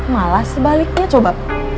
malah sebaliknya coba